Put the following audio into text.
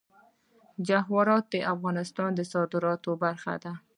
جواهرات د افغانستان د صادراتو برخه ده.